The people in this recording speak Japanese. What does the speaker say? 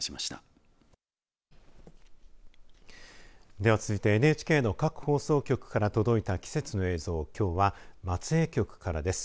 では続いてＮＨＫの各放送局から届いた季節の映像、きょうは松江局からです。